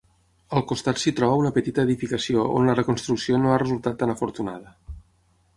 Al costat s'hi troba una petita edificació on la reconstrucció no ha resultat tan afortunada.